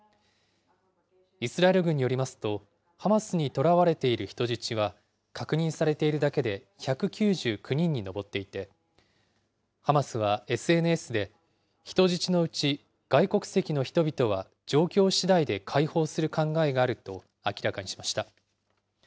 イスラエル軍によりますと、ハマスに捕らわれている人質は、確認されているだけで１９９人に上っていて、ハマスはＳＮＳで、人質のうち外国籍の人々は状況しだいで解放する考えがあると明らかにしました。